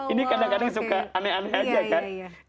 ini kadang kadang suka aneh aneh aja kan